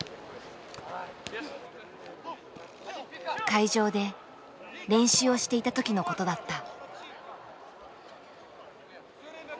会場で練習をしていた時のことだった。